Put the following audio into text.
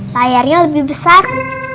layarnya lebih besar